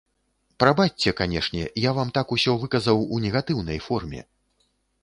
Прабачце, канешне, я вам так усё выказаў у негатыўнай форме.